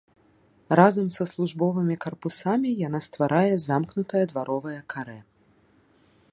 Разам са службовымі карпусамі яна стварае замкнутае дваровае карэ.